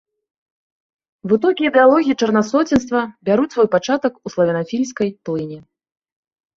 Вытокі ідэалогіі чарнасоценства бяруць свой пачатак у славянафільскай плыні.